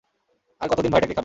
আর কতদিন ভাইটাকে খাবি?